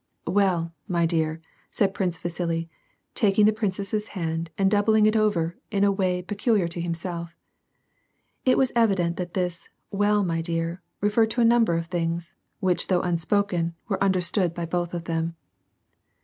" Well, my dear," said Prince Viisili, taking the princess's hand and doubling it over in a way peculiar to himself. It was evident that this " well, my dear," referred to a number of things, which though unspoken, were understood by both of them.